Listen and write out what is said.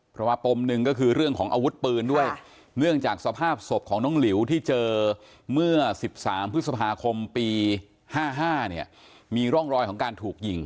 เพราะว่าปมหนึ่งก็คือเรื่องของอาวุธปืนด้วยเนื่องจากสภาพศพของน้องหลิวที่เจอเมื่อ๑๓พฤษภาคมปี๕๕เนี่ยมีร่องรอยของการถูกยิง